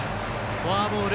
フォアボール。